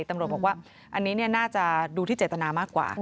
ตำรวจบอกว่าอันนี้น่าจะดูที่เจตนามากกว่า